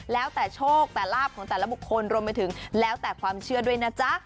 แล้วแต่โชคแต่ลาบของแต่ละบุคคลรวมไปถึงแล้วแต่ความเชื่อด้วยนะจ๊ะ